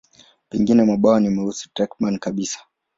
Pengine mabawa ni meusi takriban kabisa.